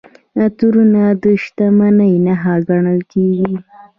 عطرونه د شتمنۍ نښه ګڼل کیږي.